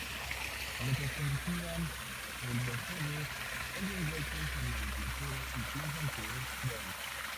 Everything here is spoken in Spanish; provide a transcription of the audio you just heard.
Mientras conducían el Mercedes, oyen golpes en el maletero y piensan que es Doug.